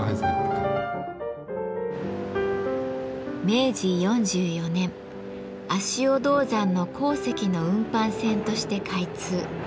明治４４年足尾銅山の鉱石の運搬線として開通。